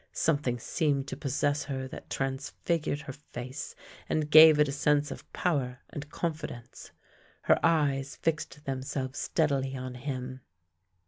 Something seemed to possess her that transfigured her face and gave it a sense of power and confidence. Her eyes fixed themselves steadily on him.